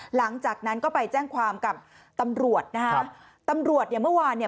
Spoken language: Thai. หลังจากนั้นก็ไปแจ้งความกับตำรวจนะฮะตำรวจเนี่ยเมื่อวานเนี่ย